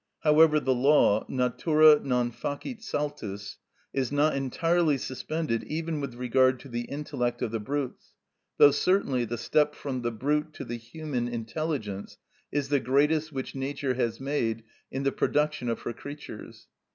However, the law natura non facit saltus is not entirely suspended even with regard to the intellect of the brutes, though certainly the step from the brute to the human intelligence is the greatest which nature has made in the production of her creatures.